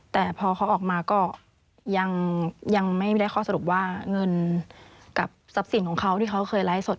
แต่พอเขาออกมาก็ยังไม่ได้ข้อสรุปว่าเงินกับทรัพย์สินของเขาที่เขาเคยไลฟ์สด